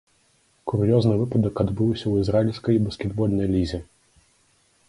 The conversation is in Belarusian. Кур'ёзны выпадак адбыўся ў ізраільскай баскетбольнай лізе.